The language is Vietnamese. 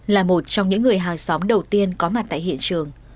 là một trong những người hàng xóm đầu tiên có mặt tại hiện trường